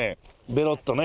ベロッとね。